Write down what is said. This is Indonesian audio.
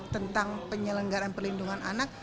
tentang penyelenggaran pelindungan anak